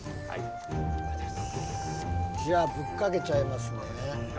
じゃあぶっかけちゃいますね。